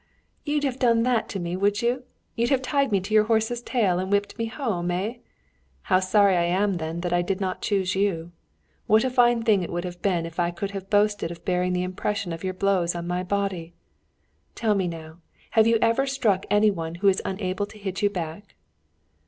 You'd have done that to me, would you? You'd have tied me to your horse's tail and whipped me home, eh? How sorry I am then that I did not choose you! What a fine thing it would have been if I could have boasted of bearing the impression of your blows on my body! Tell me now, have you ever struck any one who was unable to hit you back?"